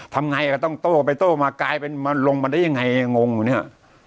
ทำไงก็ต้องโต้ไปโต้มากลายเป็นมันลงมาได้ยังไงงงอยู่เนี่ย